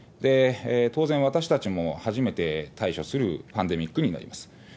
当然、私たちも初めて対処するパンデミックになります。